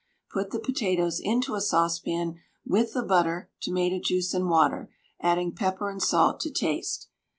Put the potatoes into a saucepan with the butter, tomato juice, and water, adding pepper and salt to taste.